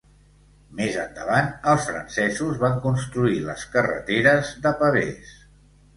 Més endavant, els francesos van construir les carreteres de pavès.